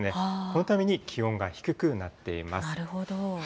このために気温が低くなっていまなるほど。